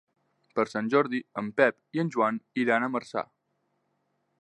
Per Sant Jordi en Pep i en Joan iran a Marçà.